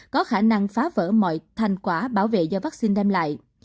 có khả năng phá vỡ mọi thành quả bảo vệ do vaccine đem lại